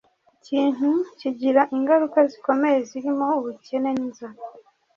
ikintu kigira ingaruka zikomeye zirimo ubukene n’ inzara.